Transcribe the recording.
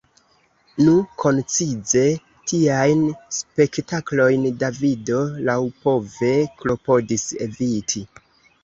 Nu koncize, tiajn spektaklojn Davido laŭpove klopodis eviti.